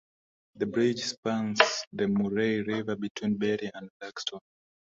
The bridge spans the Murray River between Berri and Loxton.